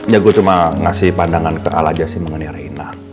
ya gue cuma ngasih pandangan ke al aja sih mengenai reina